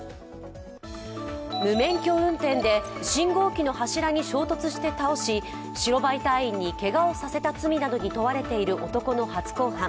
無免許運転で信号機の柱に衝突して倒し白バイ隊員にけがをさせた罪などに問われている男の初公判。